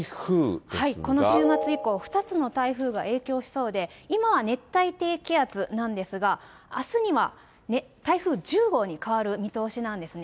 この週末以降、２つの台風が影響しそうで、今は熱帯低気圧なんですが、あすには台風１０号に変わる見通しなんですね。